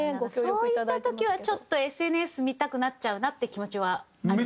そういった時はちょっとＳＮＳ見たくなっちゃうなって気持ちはあります。